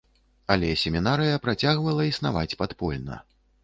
Але семінарыя працягвала існаваць падпольна.